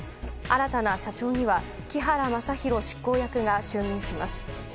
新たな社長には木原正裕執行役が就任します。